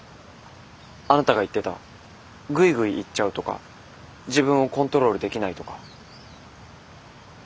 あなたが言ってたグイグイいっちゃうとか自分をコントロールできないとか。